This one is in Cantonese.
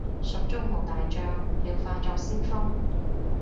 蜀中無大將，廖化作先鋒